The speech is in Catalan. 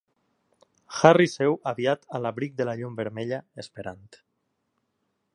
Harry seu aviat a l"abric de la llum vermella, esperant.